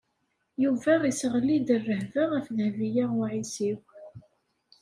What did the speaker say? Yuba iseɣli-d rrehba ɣef Dehbiya u Ɛisiw.